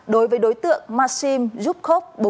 đối với đối tượng maxim zhukov